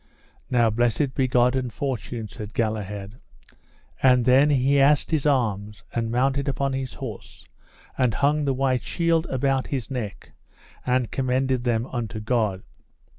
Now blessed be God and fortune, said Galahad. And then he asked his arms, and mounted upon his horse, and hung the white shield about his neck, and commended them unto God.